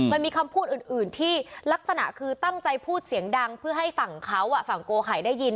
มันมีคำพูดอื่นที่ลักษณะคือตั้งใจพูดเสียงดังเพื่อให้ฝั่งเขาฝั่งโกไข่ได้ยิน